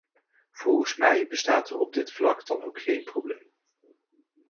Volgens mij bestaat er op dit vlak dan ook geen probleem.